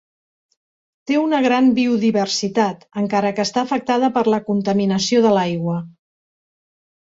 Té una gran biodiversitat, encara que està afectada per la contaminació de l'aigua.